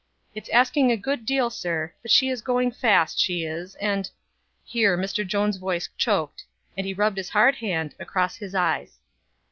It's asking a good deal, sir, but she is going fast, she is; and " Here Mr. Jones' voice choked, and he rubbed his hard hand across his eyes.